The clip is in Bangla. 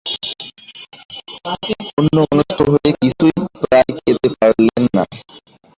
অন্যমনস্ক হয়ে কিছুই প্রায় খেতে পারলেন না।